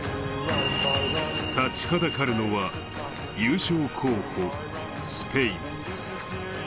立ちはだかるのは、優勝候補、スペイン。